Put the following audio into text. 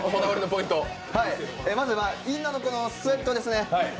まずはインナーのスウェットですね。